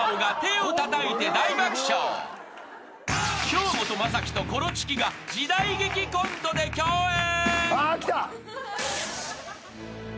［京本政樹とコロチキが時代劇コントで共演］